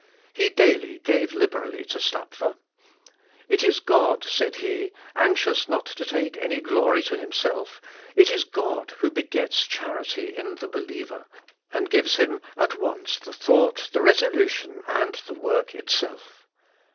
He daily gave liberally to Stapfer. "It is God," said he, anxious not to take any glory to himself, "It is God who begets charity in the believer, and gives him at once the thought, the resolution, and the work itself.